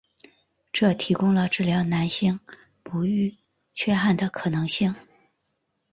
这提供了治疗男性不育缺憾的可能性。